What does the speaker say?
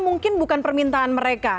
mungkin bukan permintaan mereka